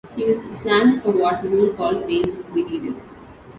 She was slammed for what many called "dangerous behavior".